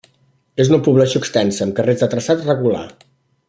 És una població extensa, amb carrers de traçat regular.